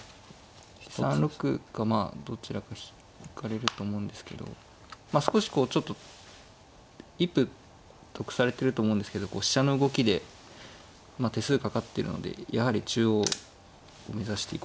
３六かまあどちらか引かれると思うんですけど少しこうちょっと一歩得されてると思うんですけど飛車の動きでまあ手数かかってるのでやはり中央目指していこうかなと。